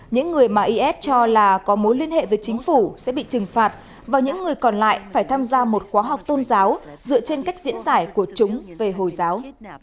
những người mà if cho là có mối liên hệ với chính phủ sẽ bị trừng phạt và những người còn lại phải tham gia một khóa học tôn giáo dựa trên cách diễn giải của chúng về hồi giáo